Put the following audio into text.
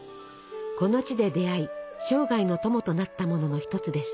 この地で出会い生涯の友となったものの一つです。